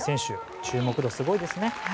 注目度すごいですね。